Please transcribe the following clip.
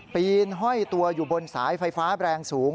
ปีนห้อยตัวอยู่บนสายไฟฟ้าแรงสูง